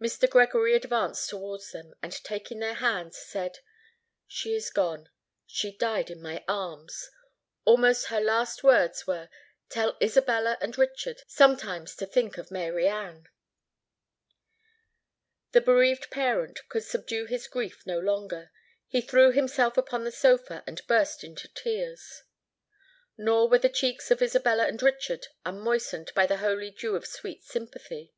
Mr. Gregory advanced towards them, and taking their hands, said, "She is gone—she died in my arms! Almost her last words were, 'Tell Isabella and Richard sometimes to think of Mary Anne.'" The bereaved parent could subdue his grief no longer: he threw himself upon the sofa and burst into tears. Nor were the cheeks of Isabella and Richard unmoistened by the holy dew of sweet sympathy.